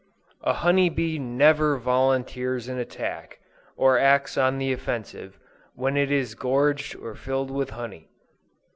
A HONEY BEE NEVER VOLUNTEERS AN ATTACK, OR ACTS ON THE OFFENSIVE, WHEN IT IS GORGED OR FILLED WITH HONEY.